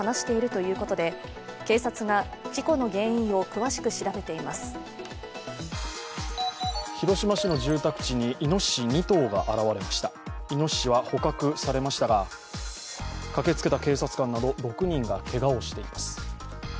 いのししは捕獲されましたが駆けつけた警察官など６人がけがをしています。